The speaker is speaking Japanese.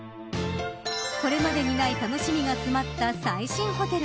これまでにない楽しみが詰まった最新ホテル。